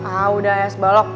ah udah ya sebalok